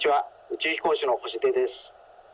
宇宙飛行士の星出です。